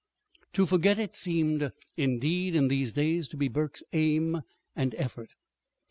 To "forget it" seemed, indeed, in these days, to be Burke's aim and effort.